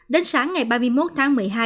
đến sáng ngày ba mươi một tháng một mươi hai